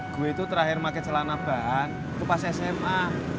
gue itu terakhir pake celana bak itu pas sma